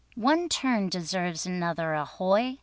"One turn deserves another, ahoy!